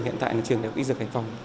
hiện tại là trường đại học y dược hải phòng